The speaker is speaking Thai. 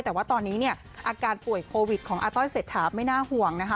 แต่ว่าตอนนี้เนี่ยอาการป่วยโควิดของอาต้อยเศรษฐาไม่น่าห่วงนะคะ